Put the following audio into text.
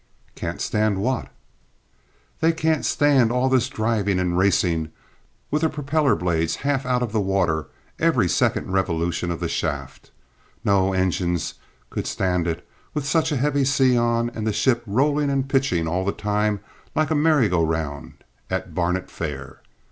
"Can't stand what?" "They can't stand all this driving and racing, with the propeller blades half out of water every second revolution of the shaft. No engines could stand it, with such a heavy sea on and the ship rolling and pitching all the time like a merry go round at Barnet Fair.